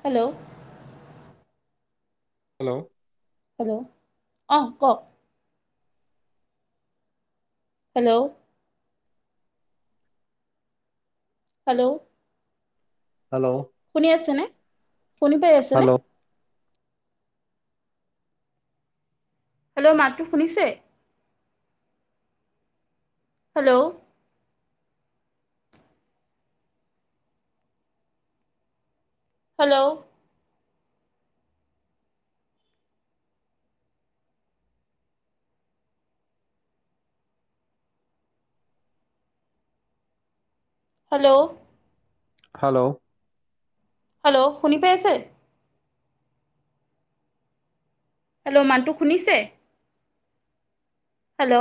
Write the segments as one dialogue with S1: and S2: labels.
S1: Hello.
S2: Hello.
S1: অহ, কক hello. Hello.
S2: Hello
S1: শুনি আছেনে? শুনি পাই আছেনে?
S2: হেল্ল'
S1: হেল্ল' মাতো শুনিছে? Hello. Hello. Hello.
S2: Hello.
S1: Hello শুনি পাই আছে? হেল্ল' মানটো শুনিছে? হেল্ল'।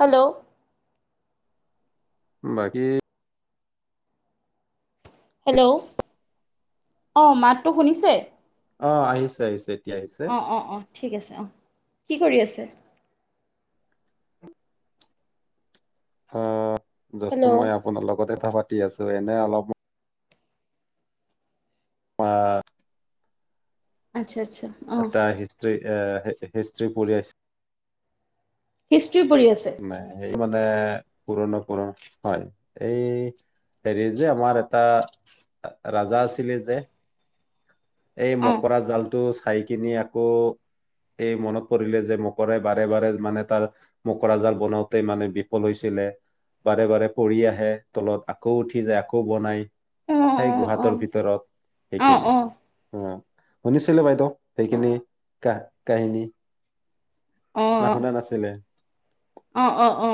S1: হেল্ল'।
S2: বাকী
S1: হেল্ল' অ, মাতটো শুনিছে?
S2: অহ, আহিছে, আহিছে এতিয়া আহিছে
S1: অ, অ, অ, ঠিক আছে অ'। কি কৰি আছে?
S2: অহহ যসু
S1: হেল্ল'
S2: মই আপোনাৰ লগতে কথা পাতি আছো। এনে অলপ অহ
S1: আচ্ছা, আচ্ছা অঁহ।
S2: হিষ্ট্ৰী এ, হিষ্ট্ৰ্ৰী পঢ়িইছে
S1: হিষ্ট্ৰি পঢ়ি আছে?
S2: নাই ইমান এ, পুৰণো পুৰণ, হয়। এই হেৰি যে আমাৰ এটা ৰাজা আছিলে যে এই
S1: অঁ
S2: মকৰা জাল টো চাই কিনি আকৌ, এই মনত পৰিলে যে মকৰাই বাৰে বাৰে মানে তাৰ মকৰা জাল বনাওঁতে মানে বিফল হৈছিলে। বাৰে বাৰে পৰি আহে তলত, আকৌ উঠি যায়, আকৌ বনায়
S1: অঁ
S2: সেই
S1: অঁ
S2: গুহাটোৰ ভিতৰত।
S1: অঁ অঁ
S2: সেইখিনি
S1: অঁ
S2: অ', শুনিছেনে বাইদেউ সেইখিনি কাহিনী? না শুনা নাছিলে?
S1: অ অ অ।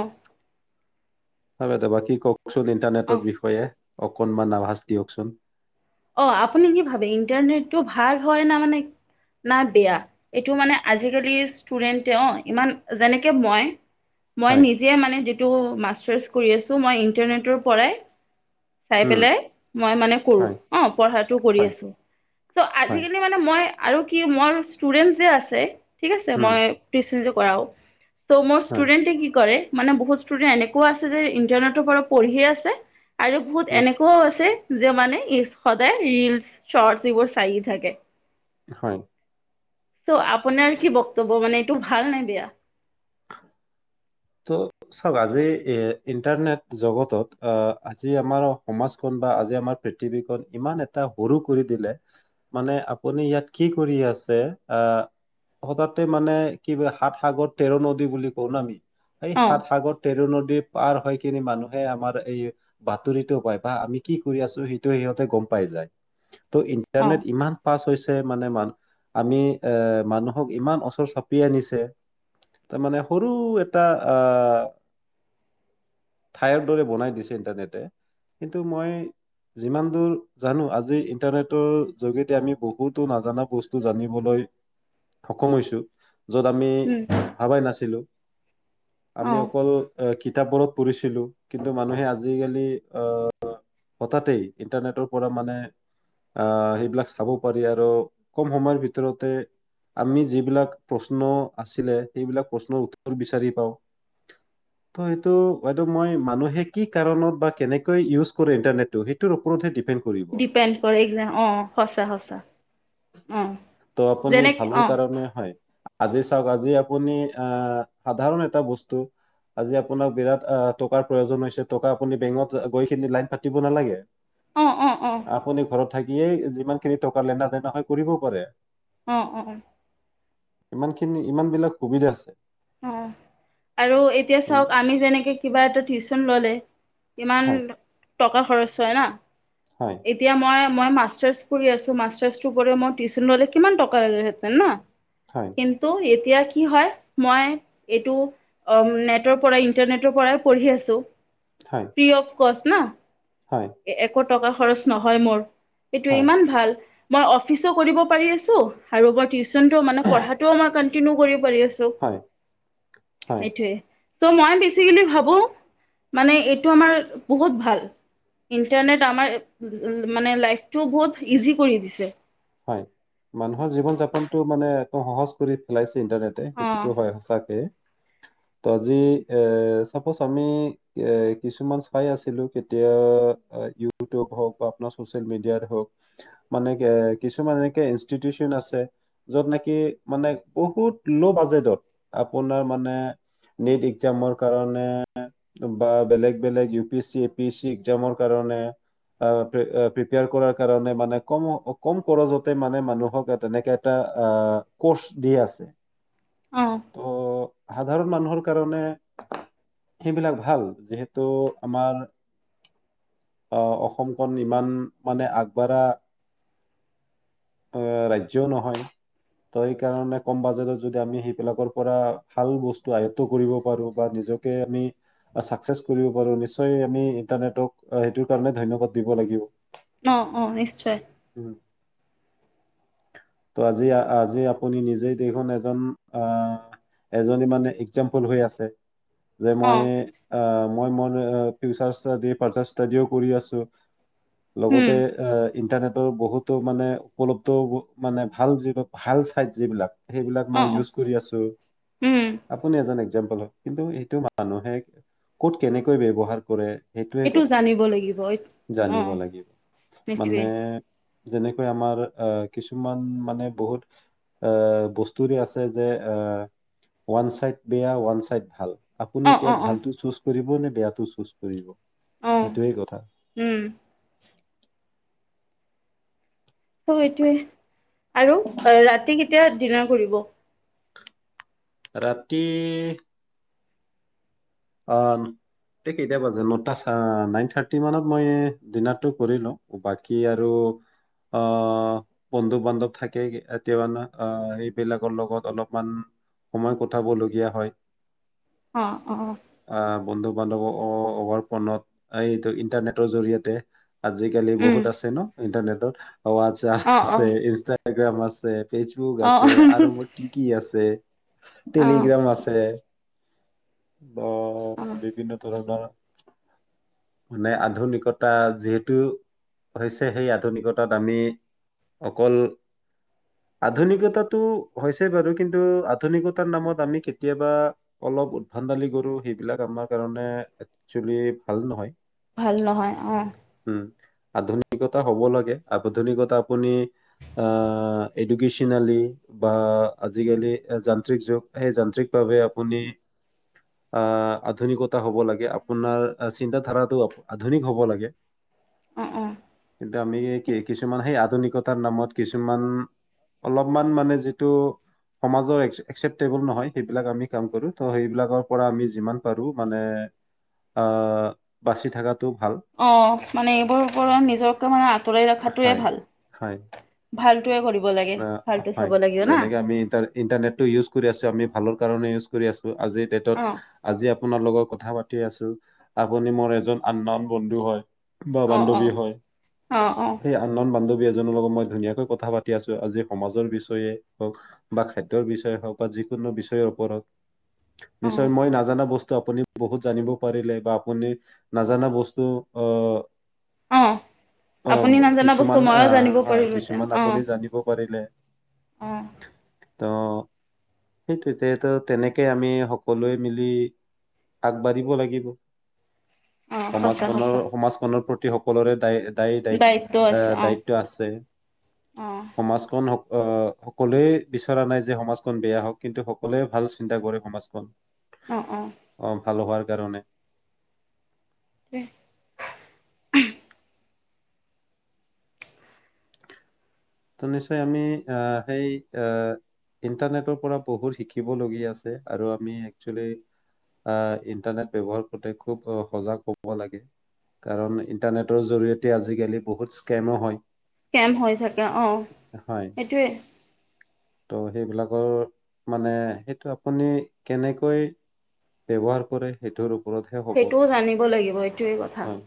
S2: বাকি কওঁক। কওঁকচোন ইণ্টাৰনেটৰ
S1: অঁ
S2: বিষয়ে? অকনমান আভাজ দিয়কচোন।
S1: অ আপুনি কি ভাবে ইন্টাৰনেটতো ভাল হয় নাহ বেয়া এইটো মানে আজি কালিৰ ষ্টুডেণ্টতে অ ইমান যেনেকে মই। মই
S2: হয়
S1: নিজে মানে যেতিয়া। অ মাষ্টাৰ্ছ কৰি আছোঁ ইন্টাৰনেটৰ পৰাই। চাই
S2: উম
S1: পেলাই মই মানে কৰোঁ।
S2: হয়
S1: অ পঢ়াটো কৰি
S2: হয়
S1: আছোঁ, চ'
S2: হয়
S1: আজি-কালি মানে মই। আৰু কি, মোৰ ষ্টুডেণ্ট যে আছে। ঠিক আছে,
S2: উম
S1: মই পিছ। পঢ়াওঁ। ত' মোৰ
S2: হয়
S1: ষ্টুডেণ্টে কি কৰে। মানে বহুত ষ্টুডেণ্ট এনেকুৱা আছে যে, ইণ্টাৰনেটৰ পৰা পঢ়িয়ে আছে। আৰু বহুত
S2: উম
S1: এনেকুৱাও আছে। যে মানে ইচ। সদায় ৰীল স্বৰ্ত এইবোৰ চায়ইে থাকে।
S2: হয়।
S1: ত' আপোনাৰ কি বক্তব্য মানে। টো ভাল নে বেয়া।
S2: [inaudible] ত' চাওঁক আজি ইণ্টাৰনেট জগতত আজি আমাৰ সমাজখন বা আজি আমাৰ পৃথিৱীখন ইমান এটা সৰু কৰি দিলে মানে আপুনি ইয়াত কি কৰি আছে সদাতে মানে কি সাত সাগৰ তেৰ নদী বুলি কওঁ নহ আমি। এই
S1: অ
S2: সাত সাগৰ তেৰ ন। পাৰ হৈ কিনি মানুহে আমাৰ এই বাতৰিতটো পায়, বা আমি কি কৰি আছোঁ সেইটো সিহঁতে গম পাই যায়। ত
S1: অ
S2: ইন্টাৰনেট ইমান ফাষ্ট হৈছে। তে মানে আমি এ মানুহক ইমান ওচৰ চাপি আনিছে তাৰ মানে সৰু এ। এটা আহ ঠাইৰ দৰে বনাই দিছে ইণ্টাৰনেটে, কিন্তু মই যিমান দূৰ জানো, আজি ইন্টাৰনেটৰ যোগেদি আমি বহুতো নাজানা বস্তু জানিবলৈ সক্ষম হৈছোঁ। য'ত আমি
S1: উম
S2: ভাবাই নাছিলোঁ।
S1: অ
S2: আমি অকল কি। কিতাপবোৰত পঢ়িছিলো কিন্তু মানুহে আজিকালি অহ হঠাতে ইন্টাৰনেটৰ পৰা মানে আহ সেইবিলাক চাব পাৰি আৰু কম সময়ৰ ভিতৰতে আমি যিবিলাক প্ৰশ্ন আছিলে সেইবিলাক প্ৰশ্নৰ উত্তৰ বিচাৰি। [unintelligible] টো সেইটো বাইদেউ মই মানুহে কি কাৰণত বা কেনেকৈ উইছ কৰে ইণ্টাৰনেটটো দিপেণ্ড।
S1: ডিপেণ্ড কৰে এক অ সঁচা সঁচা অ
S2: তো আপুনি
S1: যেনেক
S2: ভালৰ
S1: অ।
S2: কাৰণে হয় আজি চাওঁক আজি আপুনি আহ সাধাৰণ এ। এটা বস্তু আজি আপোনাৰ বিৰাট টকাৰ প্ৰয়োজন হৈছে টকা আপুনি বেংকত গৈ লাইন পাতিব নালাগে।
S1: অ অ অ
S2: আপুনি ঘৰত থাকি। দিয়েই যিমান খিনি টকা লেননা তেনাহ হয় কৰিব পাৰে,
S1: অ অঁ অ!
S2: ইমানখিনি ইমান বিলাক সুবিধা আছে।
S1: অ! আৰু এতিয়া
S2: কিন-
S1: চাওক আমি যেনেকে কিবা এটা টিউচন ললে, ইমান,
S2: হয়
S1: টকা খৰচ হয় ন?
S2: হয়
S1: এতিয়া মই, মই মাষ্টাৰ্চ কৰি আছো মাষ্টাৰ মই টিউচন ললে কিমান টকা হেতেন ন
S2: হয়
S1: কিন্তু এ এতিয়া কি হয় মই এইটো নেটৰ পৰা ইন্টাৰনেটৰ পৰাই পঢ়ি আছো।
S2: হয়
S1: ফ্ৰী অফ কচ ন
S2: হয়
S1: একত টকা খৰচ নহয় মোৰ এইটো
S2: হয়
S1: ইমান ভাল মই অফিচো কৰিব পাৰি আছ। মানে পঢ়াটোও আমাৰ কাৰণে [inaudible]
S2: [inaudible]
S1: [unintelligible] টো ভাল [inaudible]
S2: হয় মানুহৰ জীৱন যাপনতটো মানে একে সহজ কৰি পেলাইছে। ইন্টাৰনেটে
S1: অ
S2: সেইটোতো হয় সঁচাকে- ত আজি এ চাপজ আমি এ কিছুমান চাই আছিলো কেতিয়া ইউটিউব হওক বা আপোনাৰ চচিয়েল মিডিয়াত হওক মানে, কিছুমান এনেকে ইনিটিউচন আছে য'ত নেকি মানে বহুত ল' বাজেটত আপোনাৰ মানে নেট এক্জামৰ কাৰণে বা বেলেগ বেলেগ ইউ পিএি এ পিএছি এ্জামৰ কাৰণে প্ৰিপেয়াৰ কৰাৰ কাৰণে মানে কম। কম খৰজতে মানে মানুহক তেনেকে এটা কচ দি আছে,
S1: অ
S2: ত! সাধাৰণ মানুহৰ কাৰণে সেইবিলাক ভাল। যিহেতু আমাৰ আহ অসমখন ইমান মানে আগবাঢ়া। ৰাজয়ও নহয় ত সেইকাৰ কম বাজত য আমি সেইবিলাকৰ পৰা ভাল বস্তু আয়ত কৰিব পাৰো বা নিজকে আমি চ কৰিব পাৰো নিশ্চয় আমি ইন্টাৰনেটক সেইটো কাৰে ধ্যবাদ দিব লাগিব [unintelligible]
S1: অ অ নিশ্চয়।
S2: আজি আপুনি নিজেই এজন এক্সমপল হৈ আছে। যে
S1: অ
S2: মই আহ মই ম ফিচাৰ ফাৰজাৰ ডিও কৰি আছো [unintelligible]
S1: উম
S2: লগতে আহ ইণ্টাৰনেট। বহুতো মানে উপলব্ধ হ'ব মানে ভাল যিবিলাক ভাল চাইড যিবিলাক। সেইবিলাক
S1: অ
S2: মই
S1: অ
S2: ইউজ কৰি আছো।
S1: উম
S2: আপুনি জানে কিন্তু এইটো মানুহে ক'ত কেনেকৈ ব্যৱহাৰ কৰে। সেইটোৱে
S1: এইটো
S2: কথা
S1: জানিব লাগিব অ'
S2: জানিব লাগিব মানে
S1: সেইটোৱেই।
S2: যেনেকৈ আমাৰ আ' কিছুমান মানে বহুত এ বস্তুৰে আছে যে আ' ওৱান চাইড বেয়া ওৱান চাইড ভাল।
S1: অ
S2: আপুনি
S1: অ
S2: এতিয়া
S1: অ
S2: ভাল টো চুজ কৰিব নে? বেয়াটো চুচ কৰিব।
S1: অ
S2: এইটোৱেই কথা।
S1: উম অ' সেইটোৱে। আৰু ৰাতি কেতিয়া ডিনাৰ কৰিব?
S2: ৰাতি অ' এতিয়া কেইটা বাজে নতা নাইন থাৰ্তি মানত মই ডিনাৰ টো কৰি লও বাকী আৰু অ' বন্ধু বান্ধৱ থাকে অ' এইবিলাকৰ লগত অলপমান সময় কটাবলগীয়া হয়।
S1: অ। অ'অ।
S2: আহ বন্ধু বান্ধৱ অভাৰ ফনত এইটো ইন্টাৰনেটৰ জৰিয়তে আজিকালি
S1: উম
S2: বহুত আছে ন। ইণ্টাৰনেটত। অ' আচ্ছা
S1: অ অ
S2: আছে ইনষ্টা ইনষ্টাগ্ৰাম আছে? ফেচবুক
S1: অ
S2: আছে আৰু বা কি কি আছে।
S1: অ
S2: টেলিগ্ৰাম আছে। অ' বিভিন্ন ধৰণৰ মানে আধুনিকতা যিহেতু হৈছে সেই আধুনিকতাত আমি অকল আধুনিকতাটো হৈছে বাৰু কিন্তু আধুনিকতাৰ নামত আমি কেতিয়াবা অলপ উদ্ভান্দালি কৰো সেইবিলাক আমাৰ কাৰণে একচুৱেলি ভাল নহয়।
S1: ভাল নহয় অ'।
S2: উম আধুনিকতা হ'ব লাগে আাধুনিকতা আপুনি আ' এডুকেচনেলি বা আজিকালি যান্ত্ৰিক যুগ সেই যান্ত্ৰিকভাৱে আপুনি আ' আধুনিকতা হ'ব লাগে আপোনাৰ চিন্তা ধাৰা। আধুনিক হ'ব লাগে।
S1: অ অ
S2: কিন্তু আমি কি কিছুমান সেই আধুনিক। ত' তাৰ নামত কিছুমান অলপমান মানে যিটো সমাজৰ একচেপটেবল নহয় সেইবিলাক আমি কাম কৰো ত' সেইবিলাকৰ পৰা আমি যিমান পাৰো মানে আ' বাচি থাকাত
S1: অ', মানে এইবোৰৰ ওপৰত নিজকে মানে আঁতৰাই ৰাখাটোৱে
S2: হয়
S1: ভাল,
S2: হয়
S1: ভালটোৱে কৰিব লাগে,
S2: আহ
S1: ভালটো
S2: হয়
S1: চাব লাগিব না।
S2: যেনেকে আমি ইণ্টাৰ ইণ্টাৰনেটটো ইউজ কৰি আছো আমি ভালৰ কাৰণে ইউজ কৰি আছো। আজিৰ ডেটত,
S1: অ',
S2: আজি আপ আপোনাৰ লগত কথা পাতি আছো, আ আপুনি মোৰ এজন আননৌন বন্ধু হয়। বা
S1: অ',
S2: বান্ধৱী
S1: অ',
S2: হয়,
S1: অ', অ',
S2: সেই আননৌন বান্ধৱী এজনীৰ লগত মই ধুনীয়াকৈ কথা পাতি আছো, আজি সমাজৰ বিষয়ে হওঁক বা খাদ্যৰ বিষয়ে হওঁক বা যিকোনো বিষয়ৰ ওপৰত। নিশ্চয়,
S1: অ',
S2: মই নাজানা বস্তু তো আপুনি বহুত জানিব পাৰিলে বা আপুনি নাজানা বস্তু অ'
S1: অ', আপুনি নাজানা বস্তু
S2: কিছুমান
S1: ময়ো জানিব
S2: আহ আহ,
S1: পাৰিলোহেঁতেন,
S2: কিছুমান আপুনি জানিব পাৰিলে
S1: অ', অ'।
S2: ত সেইটো তো তেনেকে আমি সকলোৱে মিলি আগবাঢ়িব লাগিব।
S1: অ', সঁচা
S2: সমাজখনৰ
S1: সঁচা।
S2: সমাজখনৰ প্ৰতি [unintelligible] সকলোৰে দায় দায়
S1: দায়িত্ব
S2: দাইত
S1: আছে
S2: এ
S1: অ',
S2: দায়িত্ব আছে,
S1: অ',
S2: সমাজখন অ সকলোৱে বিচৰা নাই যে সমাজখন বেয়া হওক, কিন্তু সকলোৱে ভাল চিন্তা কৰে সমাজখন।
S1: অ', অ'।
S2: ভাল হোৱাৰ কাৰণে।
S1: [unintelligible] [inaudible]
S2: ত নিশ্চয় আমি এ সেই এ ইণ্টাৰনেটৰ পৰা বহুত শিকিবলগীয়া আছে, আৰু আমি একচেলি আ ইণ্টাৰনেট ব্যৱহাৰ কৰোতে খুব সজাগ হব লাগে, কাৰণ ইণ্টাৰনেটৰ জৰিয়তে আজিকালি বহুত স্কেমো হয়।
S1: স্কেম হৈ থাকে অঁ, সেইটোৱে।
S2: ত সেইবিলাকৰ মানে সেইটো আপুনি কেনেকৈ ব্যৱহাৰ কৰে, সেইটোৰ ওপ
S1: সেইটোও জানিব লাগিব এইটোৱেই কথা,
S2: হয়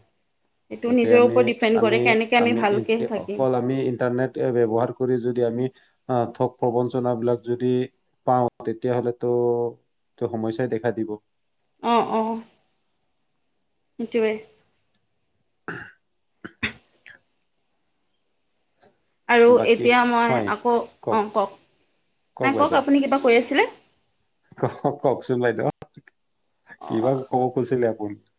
S1: এইটো
S2: যাতে
S1: নিজৰ
S2: আমি
S1: ওপৰত ডিপেণ্ড
S2: আমি
S1: কৰে, কেনেকে আমি
S2: ইন-
S1: ভালকে
S2: এ-
S1: থাকিম।
S2: অকল আমি ইন্টাৰনেট ব্যৱহাৰ কৰি যদি আমি অ', ঠগ প্ৰবঞ্চনা বিলাক যদি পাওঁ, তেতিয়াাহ'লে তো সমস্যাই দেখা দিব।
S1: অঁ, অঁ, সেইটোৱেই।
S2: [inaudible]
S1: আৰু
S2: বাকী
S1: এতিয়া মই
S2: হয়
S1: আকৌ, অ' কওক, নাই কওক আপুনি কিবা কৈ আছিলে?
S2: [unintelligible] কওকচোন বাইদেউ। কিবা ক'ব কৈছিলে [unintelligible]